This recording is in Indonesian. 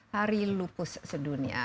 hari lupus sedunia